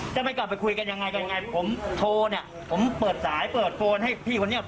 ใช่เขาบอกว่าเอาเงินมาเขาบอกว่าเอาเงินไปใช้หนี้แล้ว